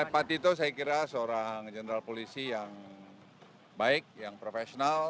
pak tito saya kira seorang general polisi yang baik yang profesional